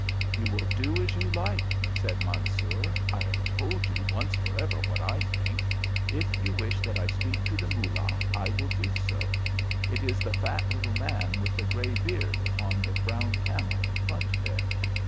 "You will do as you like," said Mansoor. "I have told you once for ever what I think. If you wish that I speak to the Moolah, I will do so. It is the fat, little man with the grey beard, upon the brown camel in front there.